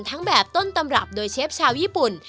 ทั้งแบบต้นตำรับโดยเชฟชาวญี่ปุ่น